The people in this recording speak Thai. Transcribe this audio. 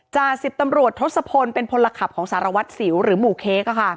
จ่าสิบตำรวจทศพลเป็นพลขับของสารวัติศิลป์หรือหมู่เค้ก